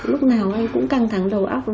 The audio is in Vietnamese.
lúc nào anh cũng căng thẳng đầu óc